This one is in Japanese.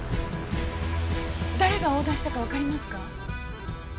誰がオーダーしたかわかりますか？